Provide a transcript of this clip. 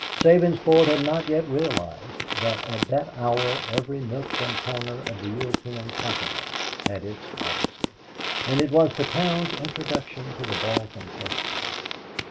Sabinsport had not yet realized that at that hour every nook and corner of the European continent had its Odyssey. And it was the town's introduction to the Balkan question.